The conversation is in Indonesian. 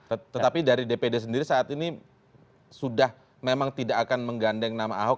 tetapi dari dpd sendiri saat ini sudah memang tidak akan menggandeng nama ahok